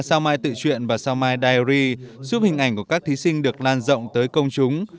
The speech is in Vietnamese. sao mai tự chuyện và sao mai đài hoa giúp hình ảnh của các thí sinh được lan rộng tới công chúng